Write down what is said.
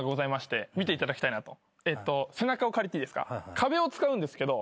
壁を使うんですけど。